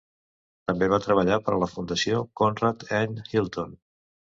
També va treballar per a la Fundació Conrad N. Hilton.